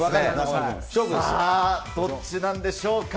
さあ、どっちなんでしょうか。